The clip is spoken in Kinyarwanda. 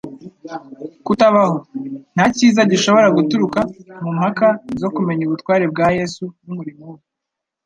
kutabaho, nta cyiza gishobora guturuka mu mpaka zo kumenya ubutware bwa Yesu n'umurimo we.